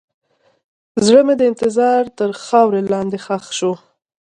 زړه مې د انتظار تر خاورو لاندې ښخ شو.